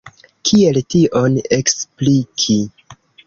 Kiel tion ekspliki?